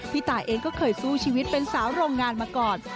ตายเองก็เคยสู้ชีวิตเป็นสาวโรงงานมาก่อน